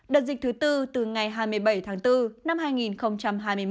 đợt dịch thứ bốn từ ngày hai mươi bảy tháng bốn năm hai nghìn hai mươi